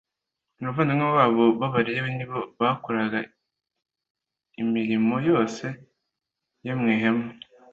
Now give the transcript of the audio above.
abavandimwe babo b abalewi ni bo bakoraga imirimon yose yo mu ihema